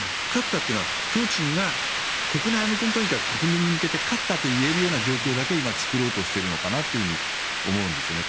勝ったというのはプーチンが国内向けに勝ったと言えるような状況だけ今作ろうとしているのかなと思うんです。